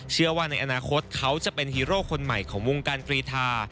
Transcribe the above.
เชื่อว่าในอนาคตเขาจะเป็นฮีโร่คนใหม่ของวงการกรีธา